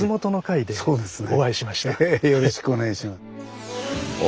よろしくお願いします。